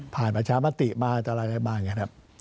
ผ่านประชาวนาติมาอะไรงี้